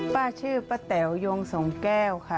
ป้าชื่อป้าแต๋วยงสองแก้วค่ะ